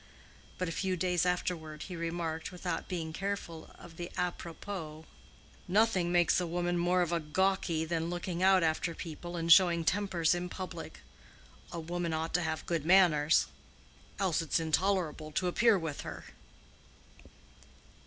But a few days afterward he remarked, without being careful of the à propos, "Nothing makes a woman more of a gawky than looking out after people and showing tempers in public. A woman ought to have good manners. Else it's intolerable to appear with her."